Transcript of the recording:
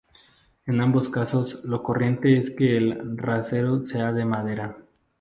En ambos casos lo corriente es que el rasero sea de madera.